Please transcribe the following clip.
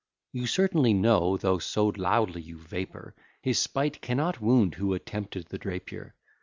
You certainly know, though so loudly you vapour, His spite cannot wound who attempted the Drapier.